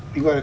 mình gọi là